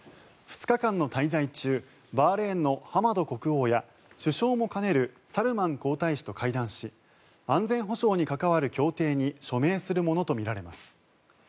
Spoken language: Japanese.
２日間の滞在中バーレーンのハマド国王や首相も兼ねるサルマン皇太子と会談し安全保障に関わる協定に署名するものと見られます。